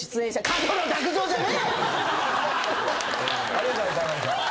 ありがとうございます天海さん。